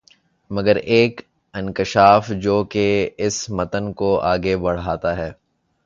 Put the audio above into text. مگر ایک انکشاف جو کہ اس متن کو آگے بڑھاتا ہے